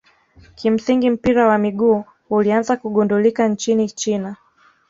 kimsingi mpira wa miguu ulianza kugundulika nchini china